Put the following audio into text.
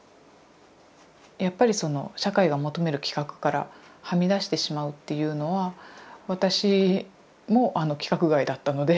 やっぱりその社会が求める規格からはみ出してしまうっていうのは私も規格外だったので。